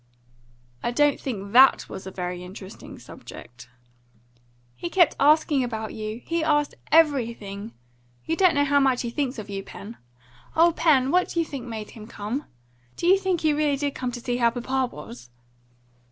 "I don't think THAT was a very interesting subject." "He kept asking about you. He asked everything. You don't know how much he thinks of you, Pen. O Pen! what do you think made him come? Do you think he really did come to see how papa was?"